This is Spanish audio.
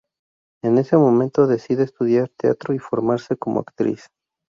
En ese momento decide estudiar teatro y formarse como actriz.